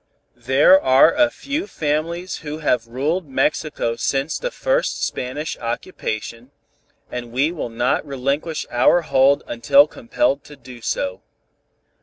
There are a few families who have ruled Mexico since the first Spanish occupation, and we will not relinquish our hold until compelled to do so.